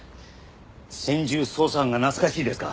専従捜査班が懐かしいですか？